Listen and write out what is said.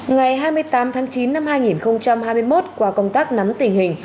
ngày hai mươi tám tháng chín năm hai nghìn hai mươi một qua công tác nắm tình hình